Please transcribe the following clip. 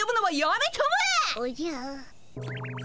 おじゃ。